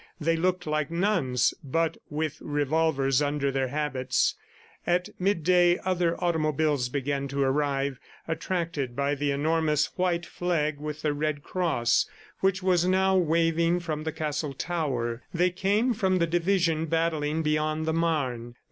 They looked like nuns, but with revolvers under their habits. At midday other automobiles began to arrive, attracted by the enormous white flag with the red cross, which was now waving from the castle tower. They came from the division battling beyond the Marne.